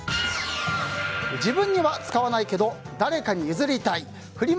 自分には使わないけど誰かに譲りたいフリマ